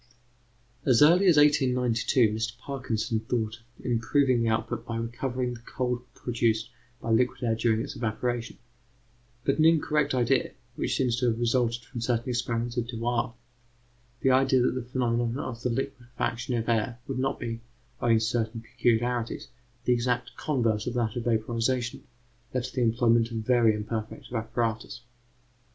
As early as 1892, Mr Parkinson thought of improving the output by recovering the cold produced by liquid air during its evaporation; but an incorrect idea, which seems to have resulted from certain experiments of Dewar the idea that the phenomenon of the liquefaction of air would not be, owing to certain peculiarities, the exact converse of that of vaporization led to the employment of very imperfect apparatus.